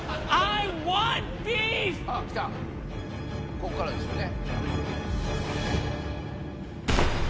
ここからですよね。